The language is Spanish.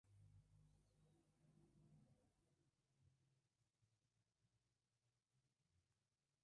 Saint-Nectaire-le-Bas es la villa termal y está situada alrededor de las fuentes termales.